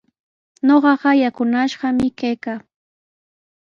Ñuqaqa yakunashqami kaykaa.